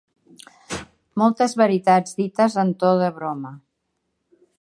Moltes veritats dites en to de broma.